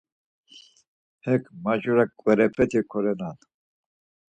Hek majura ǩvarepeti korenan.